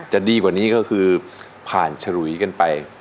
จะดีกว่านี้ก็คือผ่านฉลุยกันไป